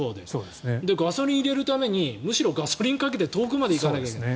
ガソリンを入れるためにむしろガソリンをかけて遠くまで行かなきゃいけない。